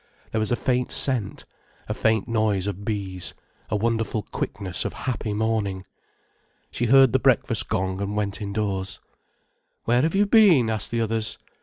There was a faint scent, a faint noise of bees, a wonderful quickness of happy morning. She heard the breakfast gong and went indoors. "Where have you been?" asked the others.